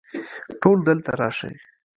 ټول دلته راشئ